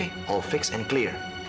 semuanya jelas dan jelas